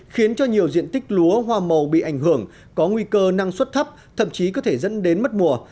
khiến cho nhiều diện tích lúa hoa màu bị ảnh hưởng có nguy cơ năng suất thấp thậm chí có thể dẫn đến mất mùa